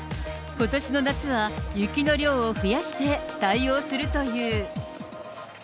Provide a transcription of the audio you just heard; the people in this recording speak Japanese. ことしの夏は雪の量を増やして対応するという。